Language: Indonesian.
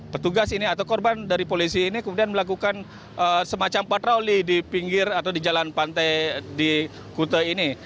petugas ini atau korban dari polisi ini kemudian melakukan semacam patroli di pinggir atau di jalan pantai di kute ini